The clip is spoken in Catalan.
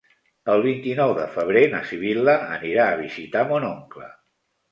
El vint-i-nou de febrer na Sibil·la anirà a visitar mon oncle.